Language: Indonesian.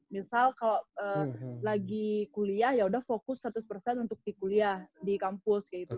misal kalau lagi kuliah ya udah fokus seratus untuk di kuliah di kampus gitu